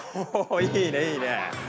おいいねいいね！